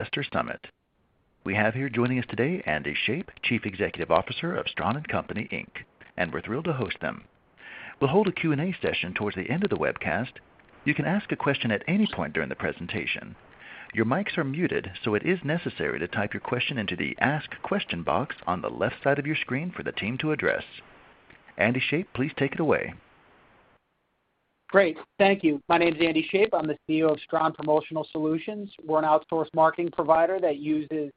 ...investor summit. We have here joining us today, Andy Shape, Chief Executive Officer of Stran & Company, Inc, and we're thrilled to host them. We'll hold a Q&A session towards the end of the webcast. You can ask a question at any point during the presentation. Your mics are muted, so it is necessary to type your question into the Ask Question box on the left side of your screen for the team to address. Andy Shape, please take it away. Great, thank you. My name is Andy Shape. I'm the CEO of Stran Promotional Solutions. We're an outsourced marketing provider that uses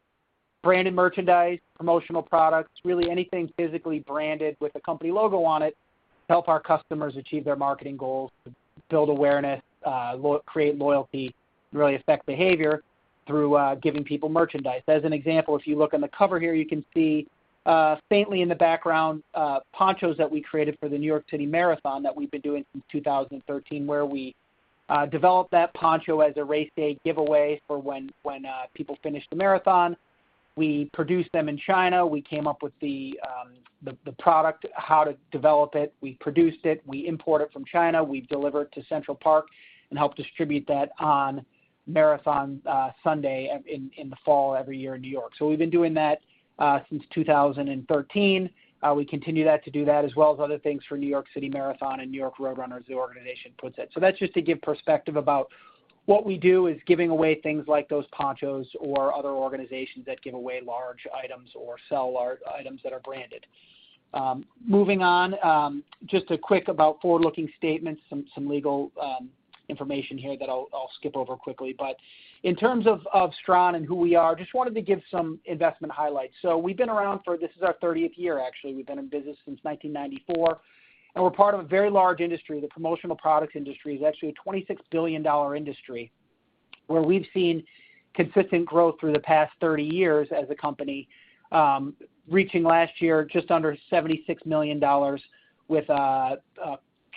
branded merchandise, promotional products, really anything physically branded with a company logo on it, to help our customers achieve their marketing goals, to build awareness, create loyalty, really affect behavior through giving people merchandise. As an example, if you look on the cover here, you can see faintly in the background ponchos that we created for the New York City Marathon that we've been doing since 2013, where we developed that poncho as a race day giveaway for when people finish the marathon. We produced them in China. We came up with the product, how to develop it. We produced it, we import it from China, we deliver it to Central Park and help distribute that on marathon Sunday in the fall every year in New York, so we've been doing that since two thousand and thirteen. We continue to do that, as well as other things for New York City Marathon and New York Road Runners, the organization that puts it on, so that's just to give perspective about what we do is giving away things like those ponchos or other organizations that give away large items or sell our items that are branded. Moving on, just a quick about forward-looking statements, some legal information here that I'll skip over quickly, but in terms of Stran and who we are, just wanted to give some investment highlights. So we've been around. This is our thirtieth year, actually. We've been in business since nineteen ninety-four, and we're part of a very large industry. The promotional products industry is actually a $26 billion industry, where we've seen consistent growth through the past thirty years as a company, reaching last year just under $76 million with a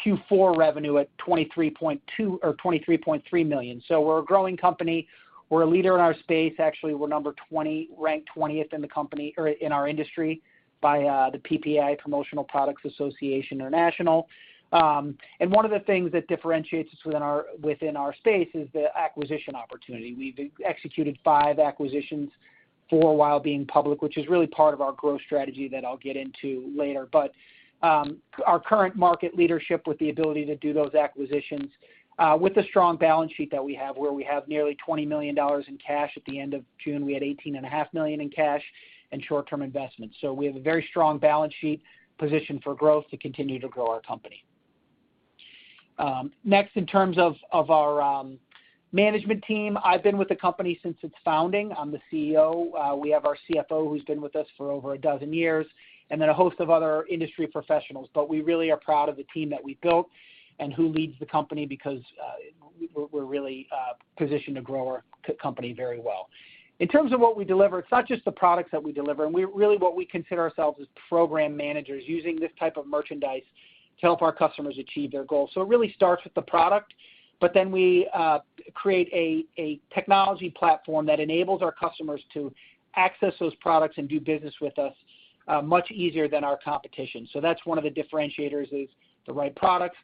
Q4 revenue at $23.2 or $23.3 million. So we're a growing company. We're a leader in our space. Actually, we're number twenty, ranked twentieth in the company or in our industry by the PPA, Promotional Products Association International. And one of the things that differentiates us within our, within our space is the acquisition opportunity. We've executed five acquisitions for a while being public, which is really part of our growth strategy that I'll get into later. But our current market leadership with the ability to do those acquisitions with a strong balance sheet that we have, where we have nearly $20 million in cash. At the end of June, we had $18.5 million in cash and short-term investments. So we have a very strong balance sheet positioned for growth to continue to grow our company. Next, in terms of our management team, I've been with the company since its founding. I'm the CEO. We have our CFO, who's been with us for over a dozen years, and then a host of other industry professionals. But we really are proud of the team that we built and who leads the company because we're really positioned to grow our company very well. In terms of what we deliver, it's not just the products that we deliver, really what we consider ourselves as program managers using this type of merchandise to help our customers achieve their goals. It really starts with the product, but then we create a technology platform that enables our customers to access those products and do business with us much easier than our competition. That's one of the differentiators, is the right products,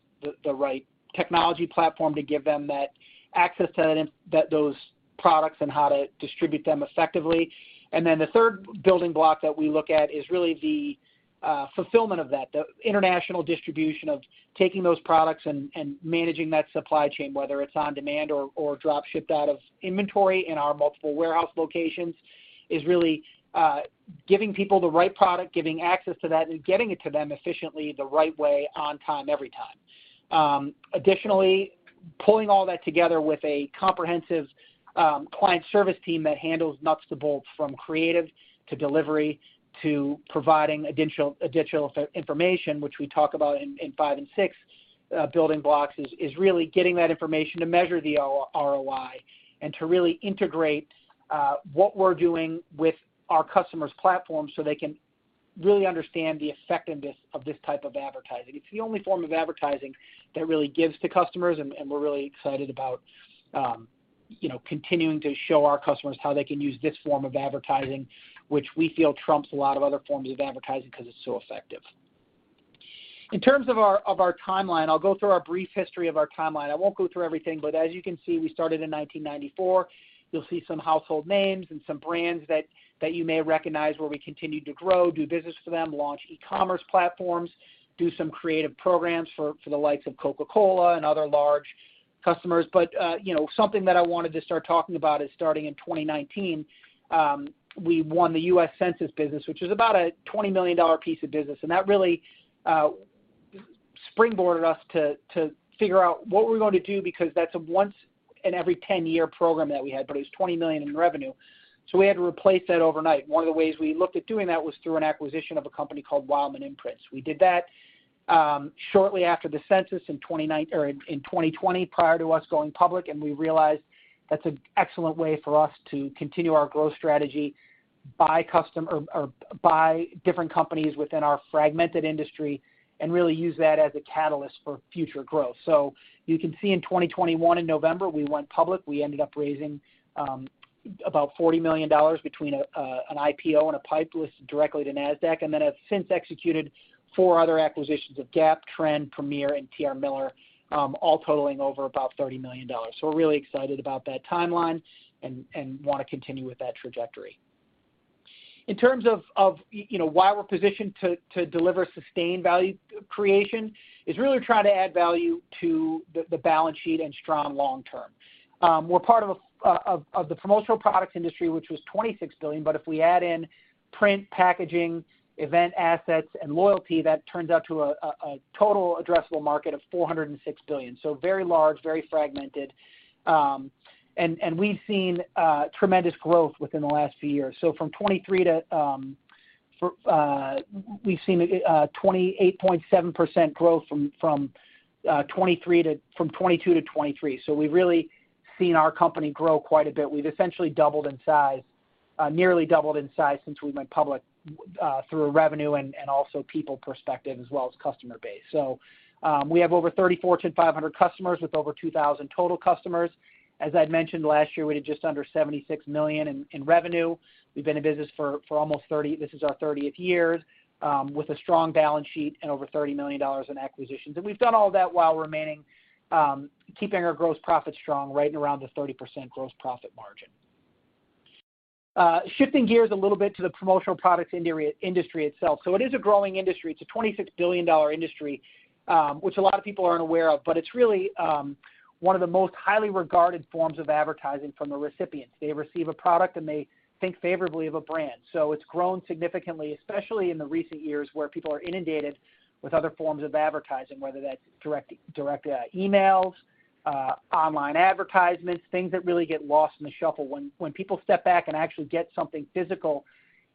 the right technology platform to give them that access to those products and how to distribute them effectively. And then the third building block that we look at is really the fulfillment of that, the international distribution of taking those products and managing that supply chain, whether it's on demand or drop shipped out of inventory in our multiple warehouse locations, is really giving people the right product, giving access to that, and getting it to them efficiently, the right way, on time, every time. Additionally, pulling all that together with a comprehensive client service team that handles nuts and bolts, from creative to delivery, to providing additional information, which we talk about in five and six building blocks, is really getting that information to measure the ROI and to really integrate what we're doing with our customers' platforms so they can really understand the effectiveness of this type of advertising. It's the only form of advertising that really gives to customers, and we're really excited about, you know, continuing to show our customers how they can use this form of advertising, which we feel trumps a lot of other forms of advertising because it's so effective. In terms of our timeline, I'll go through our brief history of our timeline. I won't go through everything, but as you can see, we started in nineteen ninety-four. You'll see some household names and some brands that you may recognize, where we continued to grow, do business with them, launch e-commerce platforms, do some creative programs for the likes of Coca-Cola and other large customers. You know, something that I wanted to start talking about is starting in 2019, we won the US Census business, which is about a $20 million piece of business, and that really springboarded us to figure out what we're going to do, because that's a once in every ten year program that we had, but it was $20 million in revenue, so we had to replace that overnight. One of the ways we looked at doing that was through an acquisition of a company called Wildman Imprints. We did that shortly after the census in 2020, prior to us going public, and we realized that's an excellent way for us to continue our growth strategy, buy custom or buy different companies within our fragmented industry and really use that as a catalyst for future growth. So you can see in 2021, in November, we went public. We ended up raising about $40 million between an IPO and a PIPE listed directly to Nasdaq, and then have since executed four other acquisitions of GAP, Trend, Premier, and T.R. Miller, all totaling over about $30 million. So we're really excited about that timeline and want to continue with that trajectory. In terms of you know, why we're positioned to deliver sustained value creation, is really we're trying to add value to the balance sheet and strong long term. We're part of the promotional products industry, which was $26 billion, but if we add in print, packaging, event assets, and loyalty, that turns out to a total addressable market of $406 billion. So very large, very fragmented. We've seen tremendous growth within the last few years. So we've seen 28.7% growth from 2022 to 2023. So we've really seen our company grow quite a bit. We've essentially doubled in size, nearly doubled in size since we went public, through a revenue and also people perspective as well as customer base. So we have over 3,400-3,500 customers with over 2,000 total customers. As I'd mentioned, last year, we did just under $76 million in revenue. We've been in business for almost 30. This is our 30th year, with a strong balance sheet and over $30 million in acquisitions. And we've done all that while remaining, keeping our gross profit strong, right around the 30% gross profit margin. Shifting gears a little bit to the promotional products industry itself. So it is a growing industry. It's a $26 billion industry, which a lot of people aren't aware of, but it's really one of the most highly regarded forms of advertising from a recipient. They receive a product, and they think favorably of a brand. So it's grown significantly, especially in the recent years, where people are inundated with other forms of advertising, whether that's direct emails, online advertisements, things that really get lost in the shuffle. When people step back and actually get something physical,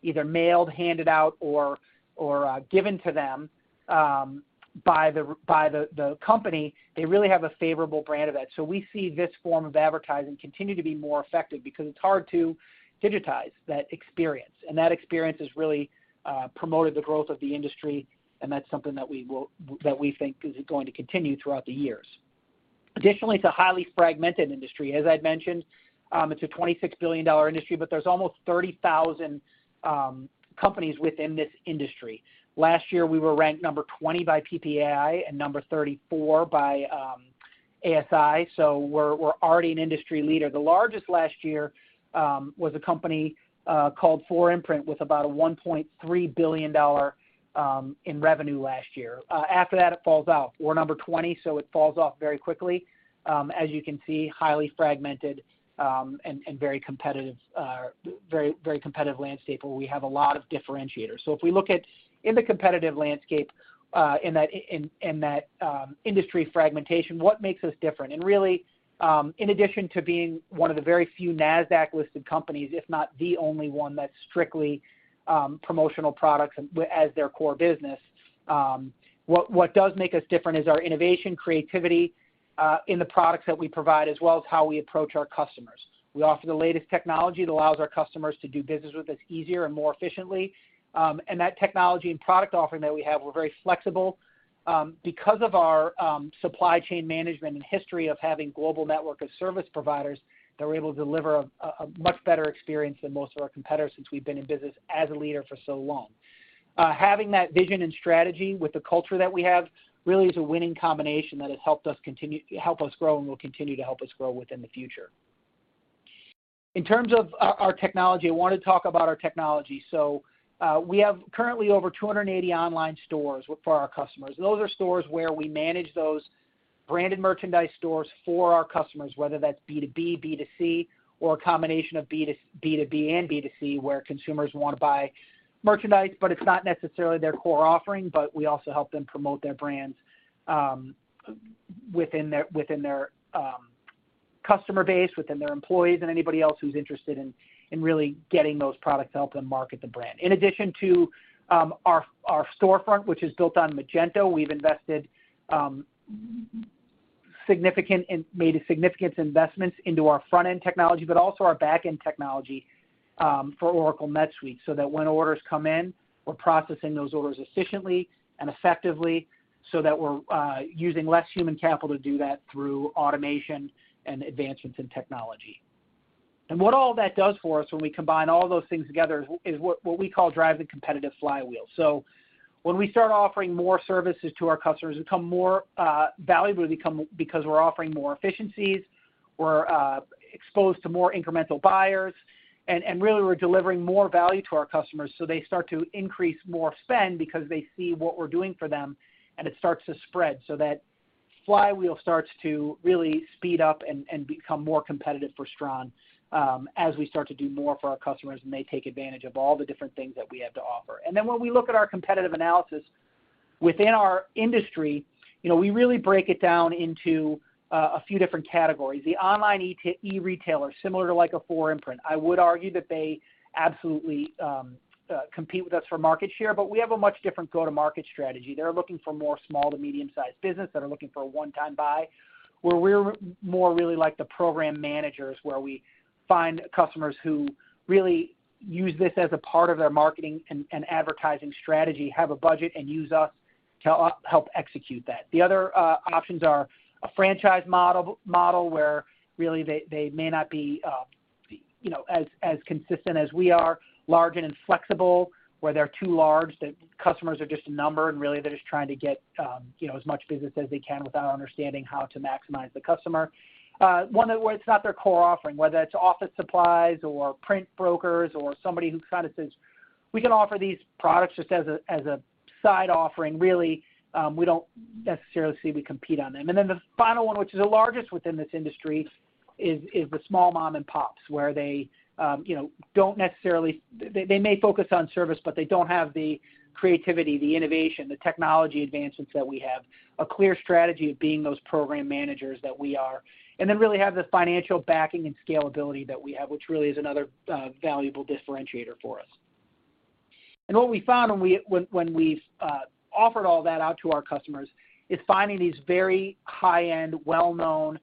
either mailed, handed out or given to them, by the company, they really have a favorable brand of that. So we see this form of advertising continue to be more effective because it's hard to digitize that experience, and that experience has really promoted the growth of the industry, and that's something that we that we think is going to continue throughout the years. Additionally, it's a highly fragmented industry. As I'd mentioned, it's a $26 billion industry, but there's almost 30,000 companies within this industry. Last year, we were ranked number 20 by PPAI and number 34 by ASI, so we're already an industry leader. The largest last year was a company called 4imprint with about a $1.3 billion in revenue last year. After that, it falls out. We're number 20, so it falls off very quickly. As you can see, highly fragmented, and very competitive, very competitive landscape where we have a lot of differentiators. So if we look at the competitive landscape, in that industry fragmentation, what makes us different? And really, in addition to being one of the very few NASDAQ-listed companies, if not the only one that's strictly promotional products as their core business, what does make us different is our innovation, creativity, in the products that we provide, as well as how we approach our customers. We offer the latest technology that allows our customers to do business with us easier and more efficiently. And that technology and product offering that we have, we're very flexible. Because of our supply chain management and history of having global network of service providers, that we're able to deliver a much better experience than most of our competitors since we've been in business as a leader for so long. Having that vision and strategy with the culture that we have, really is a winning combination that has helped us grow and will continue to help us grow within the future. In terms of our technology, I want to talk about our technology. We have currently over 280 online stores for our customers. Those are stores where we manage those branded merchandise stores for our customers, whether that's B2B, B2C, or a combination of B2B and B2C, where consumers want to buy merchandise, but it's not necessarily their core offering, but we also help them promote their brands within their customer base, within their employees, and anybody else who's interested in really getting those products to help them market the brand. In addition to our storefront, which is built on Magento, we've invested significant and made significant investments into our front-end technology, but also our back-end technology for Oracle NetSuite, so that when orders come in, we're processing those orders efficiently and effectively so that we're using less human capital to do that through automation and advancements in technology. And what all that does for us when we combine all those things together is what we call drive the competitive flywheel. So when we start offering more services to our customers, become more valuable, we become because we're offering more efficiencies, we're exposed to more incremental buyers, and really, we're delivering more value to our customers, so they start to increase more spend because they see what we're doing for them, and it starts to spread. So that flywheel starts to really speed up and become more competitive for Stran, as we start to do more for our customers, and they take advantage of all the different things that we have to offer. And then when we look at our competitive analysis within our industry, you know, we really break it down into a few different categories. The online e-retailer, similar to like a 4imprint, I would argue that they absolutely compete with us for market share, but we have a much different go-to-market strategy. They're looking for more small to medium-sized business that are looking for a one-time buy, where we're more really like the program managers, where we find customers who really use this as a part of their marketing and advertising strategy, have a budget and use us to help execute that. The other options are a franchise model where really they may not be, you know, as consistent as we are, large and inflexible, where they're too large, that customers are just a number, and really they're just trying to get, you know, as much business as they can without understanding how to maximize the customer. One that, where it's not their core offering, whether that's office supplies or print brokers or somebody who kind of says, "We can offer these products just as a side offering. Really, we don't necessarily see we compete on them." And then the final one, which is the largest within this industry, is the small mom and pops, where they may focus on service, but they don't have the creativity, the innovation, the technology advancements that we have, a clear strategy of being those program managers that we are, and then really have the financial backing and scalability that we have, which really is another valuable differentiator for us. What we found when we've offered all that out to our customers is finding these very high-end, well-known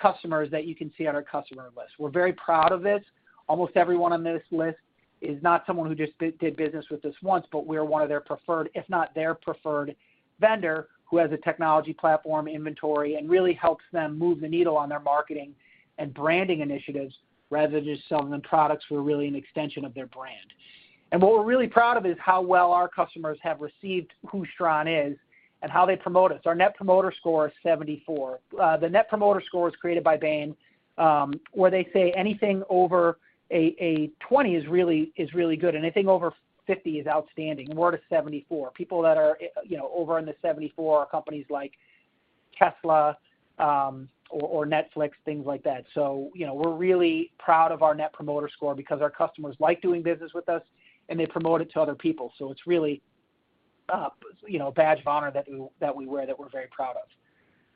customers that you can see on our customer list. We're very proud of this. Almost everyone on this list is not someone who just did business with us once, but we are one of their preferred, if not their preferred vendor, who has a technology platform inventory and really helps them move the needle on their marketing and branding initiatives, rather than just selling them products. We're really an extension of their brand. What we're really proud of is how well our customers have received who Stran is and how they promote us. Our Net Promoter Score is 74. The Net Promoter Score was created by Bain, where they say anything over a twenty is really good, and anything over fifty is outstanding, and we're at a seventy-four. People that are, you know, over in the seventy-four are companies like Tesla or Netflix, things like that, so you know, we're really proud of our Net Promoter Score because our customers like doing business with us, and they promote it to other people, so it's really, you know, a badge of honor that we wear, that we're very proud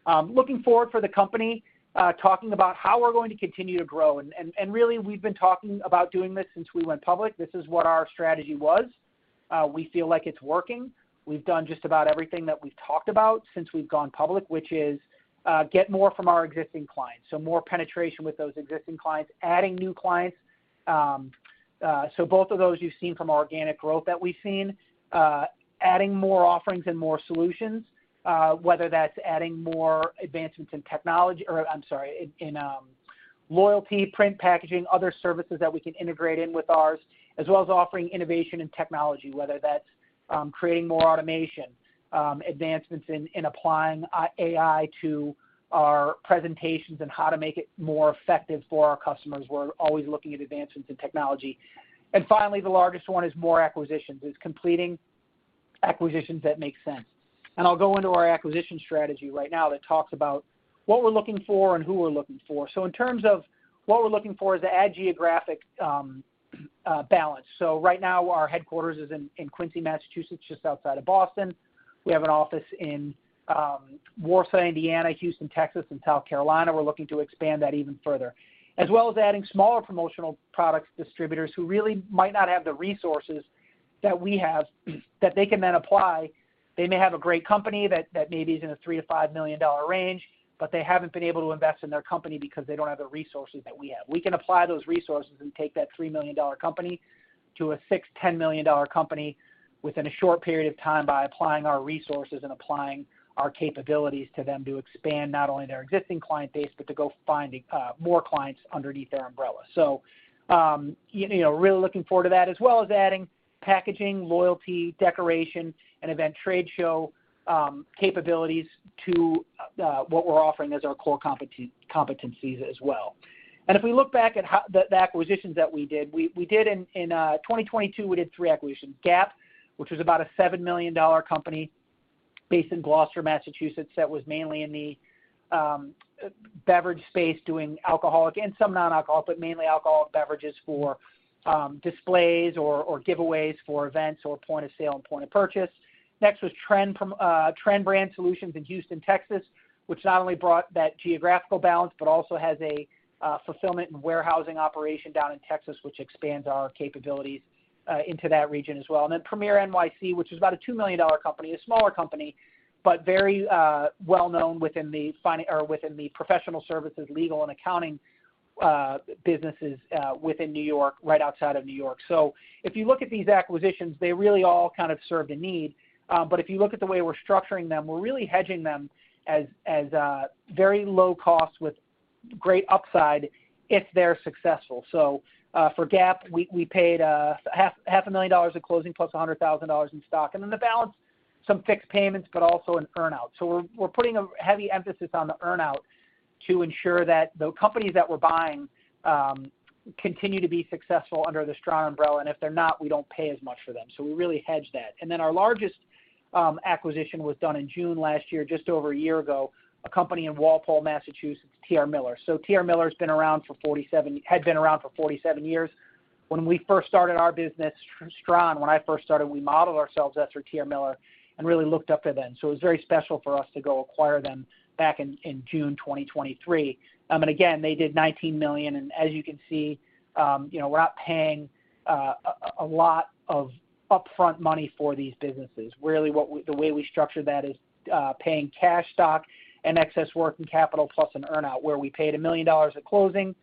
of. Looking forward for the company, talking about how we're going to continue to grow, and really, we've been talking about doing this since we went public. This is what our strategy was. We feel like it's working. We've done just about everything that we've talked about since we've gone public, which is, get more from our existing clients, so more penetration with those existing clients, adding new clients. So both of those you've seen from our organic growth that we've seen. Adding more offerings and more solutions, whether that's adding more advancements in loyalty, print, packaging, other services that we can integrate in with ours, as well as offering innovation and technology, whether that's creating more automation, advancements in applying AI to our presentations and how to make it more effective for our customers. We're always looking at advancements in technology. And finally, the largest one is more acquisitions. It's completing acquisitions that make sense. And I'll go into our acquisition strategy right now that talks about what we're looking for and who we're looking for. So in terms of what we're looking for is to add geographic balance. So right now, our headquarters is in Quincy, Massachusetts, just outside of Boston. We have an office in Warsaw, Indiana, Houston, Texas, and South Carolina. We're looking to expand that even further. As well as adding smaller promotional products distributors who really might not have the resources that we have, that they can then apply. They may have a great company that maybe is in a $3 million-$5 million range, but they haven't been able to invest in their company because they don't have the resources that we have. We can apply those resources and take that $3 million company to a $6-$10 million company within a short period of time by applying our resources and applying our capabilities to them to expand not only their existing client base, but to go finding more clients underneath their umbrella. So, you know, really looking forward to that, as well as adding packaging, loyalty, decoration, and event trade show capabilities to what we're offering as our core competencies as well. If we look back at how the acquisitions that we did in 2022, we did three acquisitions. GAP, which was about a $7 million company based in Gloucester, Massachusetts, that was mainly in the beverage space, doing alcoholic and some non-alcoholic, but mainly alcoholic beverages for displays or giveaways for events or point of sale and point of purchase. Next was Trend from Trend Brand Solutions in Houston, Texas, which not only brought that geographical balance, but also has a fulfillment and warehousing operation down in Texas, which expands our capabilities into that region as well. And then Premier NYC, which is about a $2 million company, a smaller company, but very well-known within the professional services, legal and accounting businesses within New York, right outside of New York, so if you look at these acquisitions, they really all kind of serve the need. But if you look at the way we're structuring them, we're really hedging them as very low cost with great upside if they're successful. So for GAP, we paid $500,000 in closing, plus $100,000 in stock, and then the balance, some fixed payments, but also an earn out. So we're putting a heavy emphasis on the earn out to ensure that the companies that we're buying continue to be successful under the Stran umbrella, and if they're not, we don't pay as much for them. So we really hedge that. And then our largest acquisition was done in June last year, just over a year ago, a company in Walpole, Massachusetts, T.R. Miller. So T.R. Miller had been around for 47 years. When we first started our business, Stran, when I first started, we modeled ourselves after T.R. Miller and really looked up to them. So it was very special for us to go acquire them back in June 2023. And again, they did 19 million, and as you can see, you know, we're out paying a lot of upfront money for these businesses. Really, the way we structure that is, paying cash, stock, and excess working capital, plus an earn out, where we paid $1 million at closing,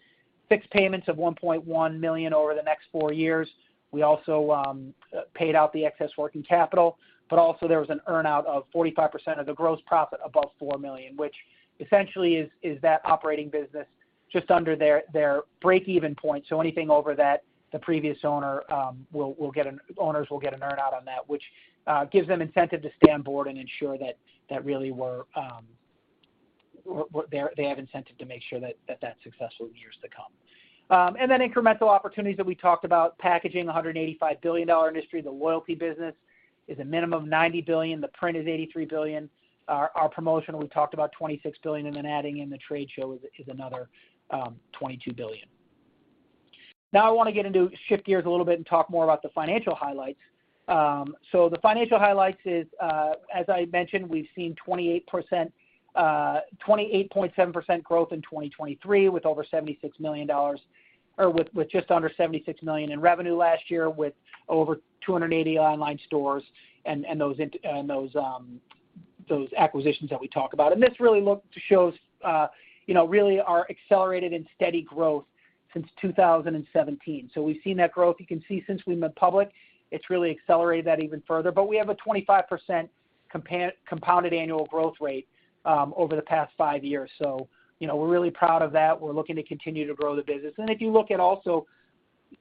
fixed payments of $1.1 million over the next four years. We also paid out the excess working capital, but also there was an earn out of 45% of the gross profit above $4 million, which essentially is that operating business just under their break-even point. So anything over that, the previous owners will get an earn out on that, which gives them incentive to stay on board and ensure that really they have incentive to make sure that that's successful in years to come. And then incremental opportunities that we talked about, packaging, a $185 billion industry. The loyalty business is a minimum of $90 billion, the print is $83 billion. Our promotion we talked about $26 billion, and then adding in the trade show is another $22 billion. Now I want to shift gears a little bit and talk more about the financial highlights. So the financial highlights is, as I mentioned, we've seen 28%, 28.7% growth in 2023, with over $76 million or with just under $76 million in revenue last year, with over 280 online stores and those acquisitions that we talk about. And this really looks to show, you know, really our accelerated and steady growth since 2017. So we've seen that growth. You can see since we've went public, it's really accelerated that even further. But we have a 25% compounded annual growth rate over the past five years. So, you know, we're really proud of that. We're looking to continue to grow the business. If you look at also,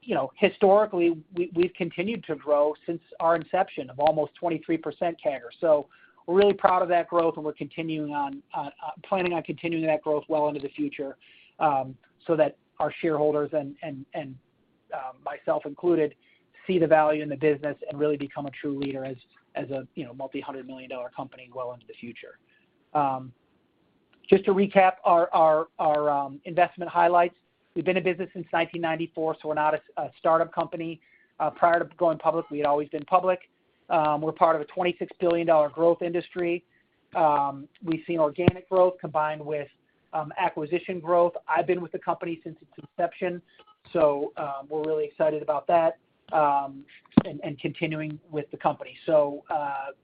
you know, historically, we've continued to grow since our inception of almost 23% CAGR. We're really proud of that growth, and we're continuing on, planning on continuing that growth well into the future, so that our shareholders and myself included see the value in the business and really become a true leader as a, you know, multi-hundred million dollar company well into the future. Just to recap our investment highlights. We've been in business since 1994, so we're not a startup company. Prior to going public, we had always been public. We're part of a $26 billion growth industry. We've seen organic growth combined with acquisition growth. I've been with the company since its inception, so, we're really excited about that, and continuing with the company. So,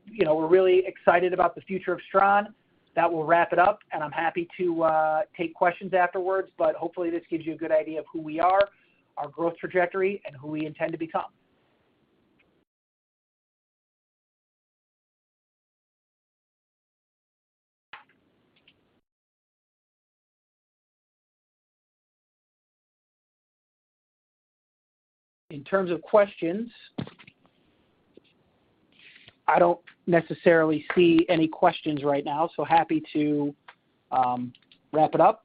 you know, we're really excited about the future of Stran. That will wrap it up, and I'm happy to take questions afterwards, but hopefully, this gives you a good idea of who we are, our growth trajectory, and who we intend to become. In terms of questions, I don't necessarily see any questions right now, so happy to wrap it up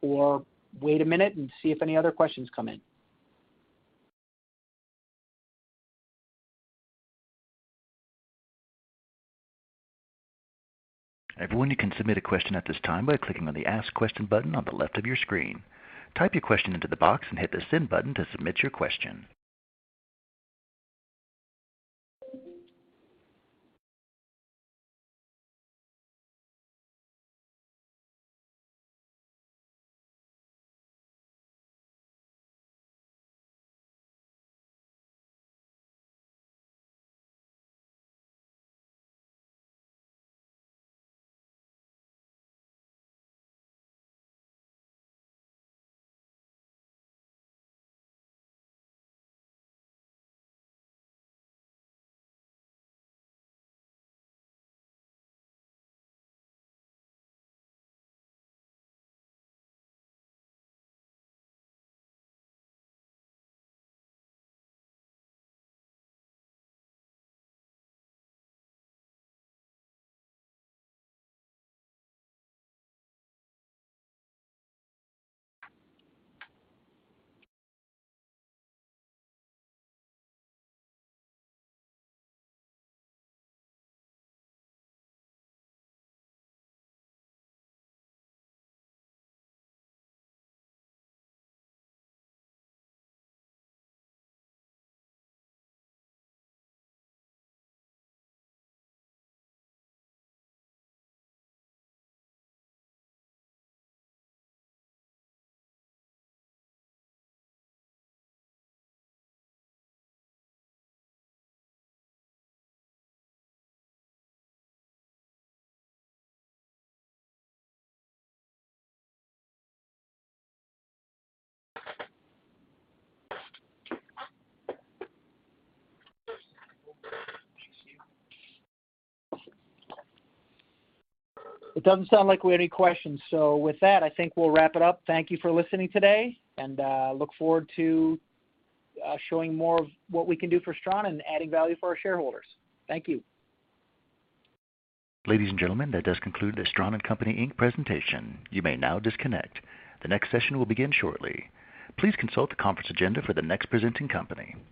or wait a minute and see if any other questions come in. Everyone, you can submit a question at this time by clicking on the Ask Question button on the left of your screen. Type your question into the box and hit the Send button to submit your question. It doesn't sound like we have any questions. So with that, I think we'll wrap it up. Thank you for listening today, and look forward to showing more of what we can do for Strawn and adding value for our shareholders. Thank you. Ladies and gentlemen, that does conclude the Stran and Company Inc. presentation. You may now disconnect. The next session will begin shortly. Please consult the conference agenda for the next presenting company.